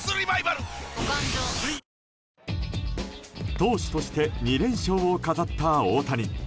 投手として２連勝を飾った大谷。